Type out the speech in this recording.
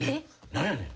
何やねん。